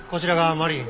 マリリン？